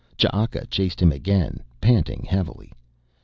Ch'aka chased him again, panting heavily.